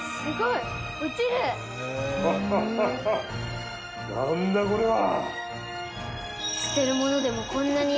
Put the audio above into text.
ハハハハなんだこれは！